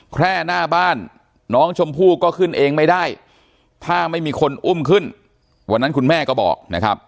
แค่หน้าบ้านน้องชมพู่ก็ขึ้นเองไม่ได้ถ้าไม่มีคนอุ้มขึ้นวันนั้นคุณแม่ก็บอกนะครับ